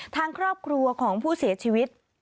ทางครอบครัวของผู้เสียชีวิต